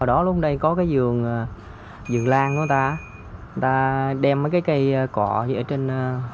ở đó lúc này có cái vườn vườn lan của người ta người ta đem mấy cái cây cọ như ở trên